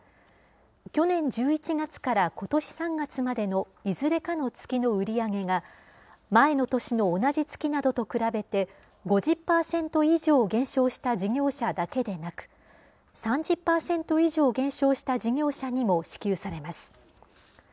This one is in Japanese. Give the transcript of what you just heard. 去年１１月からことし３月までの、いずれかの月の売り上げが、前の年の同じ月などと比べて５０％以上減少した事業者だけでなく、３０％以上減少した事業者にも支給されます。